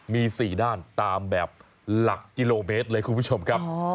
มี๔ด้านตามแบบหลักกิโลเมตรเลยคุณผู้ชมครับ